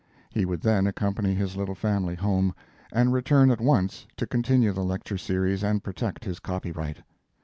He would then accompany his little family home, and return at once to continue the lecture series and protect his copyright.